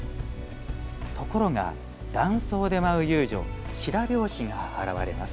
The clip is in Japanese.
ところが、男装で舞う遊女白拍子が現れます。